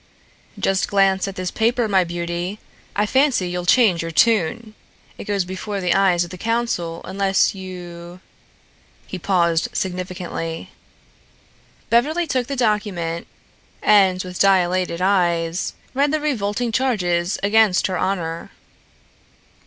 "Just glance at this paper, my beauty. I fancy you'll change your tune. It goes before the eyes of the council, unless you " he paused significantly. Beverly took the document and with dilated eyes read the revolting charges against her honor.